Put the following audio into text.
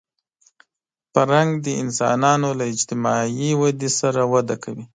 فرهنګ د انسانانو له اجتماعي ودې سره وده کوي